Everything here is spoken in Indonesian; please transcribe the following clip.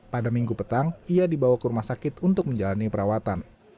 pada minggu petang ia dibawa ke rumah sakit untuk menjalani perawatan